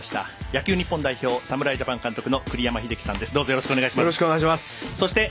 野球日本代表、侍ジャパン監督の栗山英樹さんです。